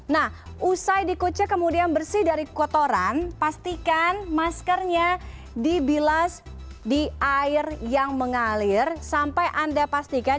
nah usai dikucik kemudian bersih dari kotoran pastikan maskernya dibilas di air yang mengalir sampai anda pastikan